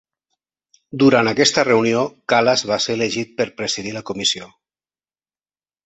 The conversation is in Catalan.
Durant aquesta reunió, Kalas va ser elegit per presidir la comissió.